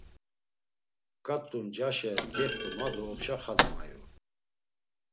Ǩat̆u ncaşe kextu ma do opşa xadzi mayu.